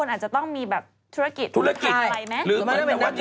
ไม่ใช่ที่เดียว